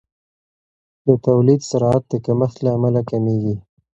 د تولید سرعت د کمښت له امله کمیږي.